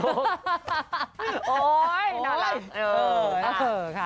โอ้โฮน่ารัก